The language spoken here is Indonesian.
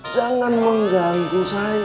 jangan mengganggu saya